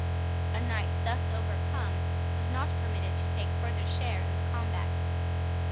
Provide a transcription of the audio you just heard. A knight thus overcome was not permitted to take farther share in the combat.